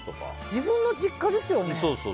自分の実家ですよね。